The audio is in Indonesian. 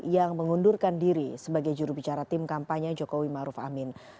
yang mengundurkan diri sebagai jurubicara tim kampanye jokowi maruf amin